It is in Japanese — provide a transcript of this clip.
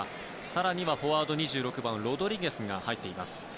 更にはフォワード、２６番のロドリゲスが入っています。